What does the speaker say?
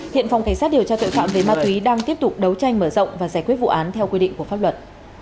hiện phòng cảnh sát điều tra tội phạm về ma túy đang tiếp tục đấu tranh mở rộng và giải quyết vụ án theo quy định của pháp luật